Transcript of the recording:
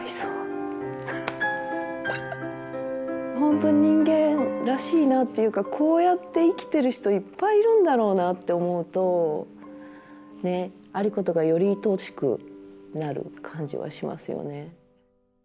本当人間らしいなっていうかこうやって生きてる人いっぱいいるんだろうなって思うとねっ有功がよりいとおしくなる感じはしますよね。